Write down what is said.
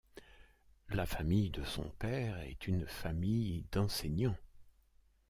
La famille de son père est une famille d'enseignants.